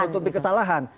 saling menutupi kesalahan